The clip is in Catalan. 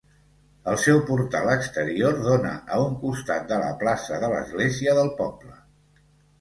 El seu portal exterior dona a un costat de la plaça de l'església del poble.